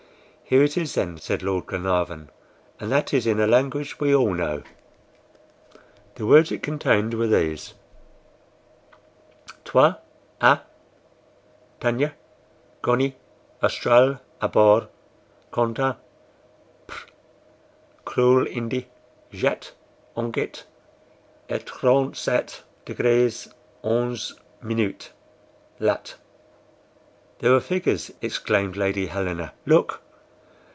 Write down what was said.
"Here it is, then," said Lord Glenarvan, "and that is in a language we all know." The words it contained were these: troi ats tannia gonie austral abor contin pr cruel indi jete ongit et 37 degrees 11" LAT "There are figures!" exclaimed Lady Helena. "Look!"